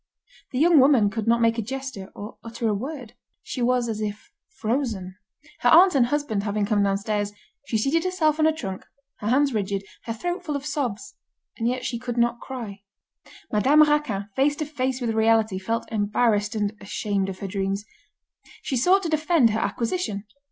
The young woman could not make a gesture, or utter a word. She was as if frozen. Her aunt and husband having come downstairs, she seated herself on a trunk, her hands rigid, her throat full of sobs, and yet she could not cry. Madame Raquin, face to face with reality, felt embarrassed, and ashamed of her dreams. She sought to defend her acquisition.